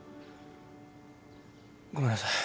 ごめんなさい。